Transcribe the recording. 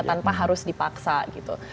tanpa harus dipaksa gitu